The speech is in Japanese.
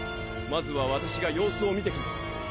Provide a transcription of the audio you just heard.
まずは私が様子を見てきます。